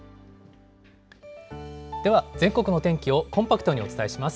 では全国の天気をコンパクトにお伝えします。